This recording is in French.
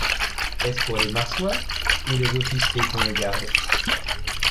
Est-ce pour les marsouins ou les officiers qu’on le garde ?